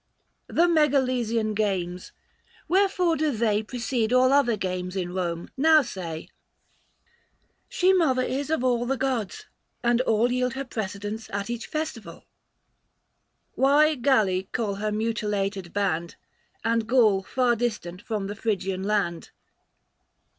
" The Megalesian games, wherefore do they 400 Precede all other games in Eome, now say ?"* She mother is of all the gods, and all Yield her precedence at each festival." " Why Galli call her mutilated band, And Gaul far distant from the Phrygian land